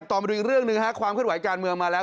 ต่อมาดูอีกเรื่องหนึ่งฮะความขึ้นไหวจากจานเมืองมาแล้ว